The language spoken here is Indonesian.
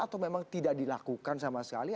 atau memang tidak dilakukan sama sekali